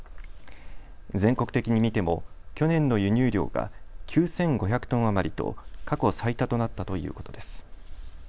全国的に見ても去年の輸入量が９５００トン余りと過去最多となったということです。